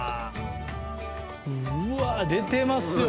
うわ出てますよ。